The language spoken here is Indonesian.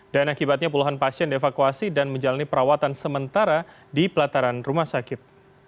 dan akibatnya puluhan pasien dievakuasi dan menjalani perawatan sementara di pelataran rumah sakit